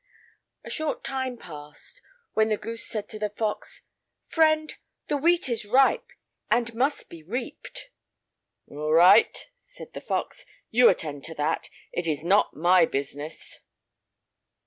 A short time passed by, when the goose said to the fox: "Friend, the wheat is ripe, and must be reaped." "All right," replied the fox, "you attend to that; it is not my business."